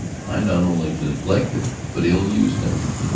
I not only neglected, but ill used them.